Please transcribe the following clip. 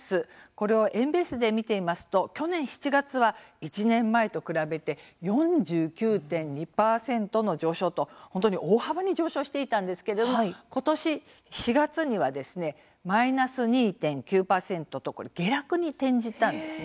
これを円ベースで見てみますと去年７月は１年前と比べて４９．２％の上昇と本当に大幅に上昇していたんですが今年４月にはマイナス２．９％と下落に転じたんです。